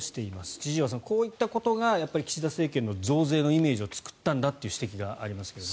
千々岩さん、こういったことが岸田政権の増税のイメージを作ったんだという指摘があります。